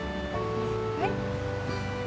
はい？